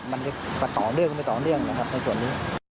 มันจะมาต่อเนื่องไม่ต่อเนื่องนะครับในส่วนนี้